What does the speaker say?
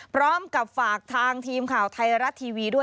พร้อมกับฝากทางทีมข่าวไทยรัฐทีวีด้วย